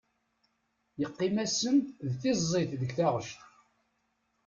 Yeqqim-asen d tiẓẓit deg taɣect.